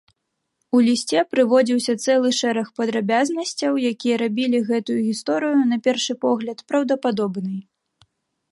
У лісце прыводзіўся цэлы шэраг падрабязнасцяў, якія рабілі гэтую гісторыю, на першы погляд, праўдападобнай.